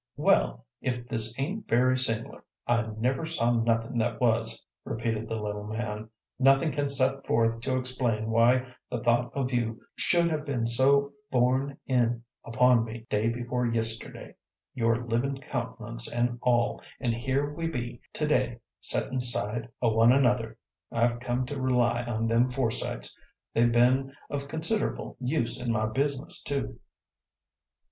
"Well, if this ain't very sing'lar, I never saw nothin' that was," repeated the little man. "Nobody can set forth to explain why the thought of you should have been so borne in upon me day before yisterday, your livin' countenance an' all, an' here we be today settin' side o' one another. I've come to rely on them foresights; they've been of consider'ble use in my business, too."